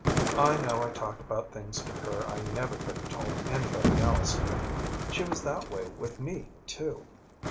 I know I talked about things to her I never could have told anybody else. She was that way with me, too.